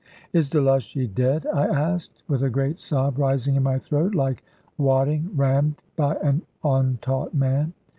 "Is Delushy dead?" I asked, with a great sob rising in my throat, like wadding rammed by an untaught man.